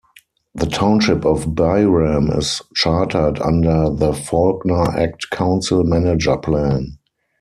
The Township of Byram is chartered under the Faulkner Act Council-Manager plan.